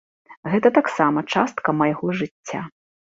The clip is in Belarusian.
Гэта таксама частка майго жыцця.